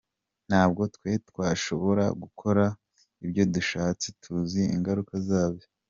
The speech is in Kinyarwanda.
Ntabwo twe twashobora gukora ibyo dushatse, tuzi ingaruka zabyo.